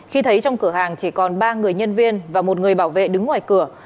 khi thấy trong cửa hàng chỉ còn ba người nhân viên và một người bảo vệ đứng ngoài cửa